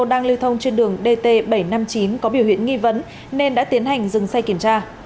đang lưu thông trên đường dt bảy trăm năm mươi chín có biểu hiện nghi vấn nên đã tiến hành dừng xe kiểm tra